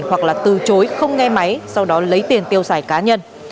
hoặc là từ chối không nghe máy sau đó lấy tiền tiêu xài cá nhân